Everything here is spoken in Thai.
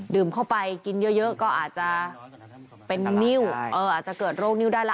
เข้าไปกินเยอะก็อาจจะเป็นนิ้วอาจจะเกิดโรคนิ้วได้ละ